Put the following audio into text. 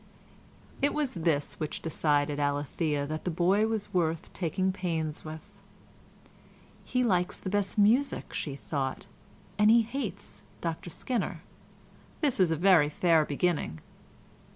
It was this which decided Alethea that the boy was worth taking pains with. "He likes the best music," she thought, "and he hates Dr Skinner. This is a very fair beginning."